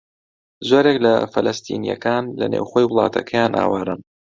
زۆرێک لە فەلەستینییەکان لە نێوخۆی وڵاتەکەیان ئاوارەن.